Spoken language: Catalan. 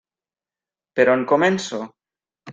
Per on començo?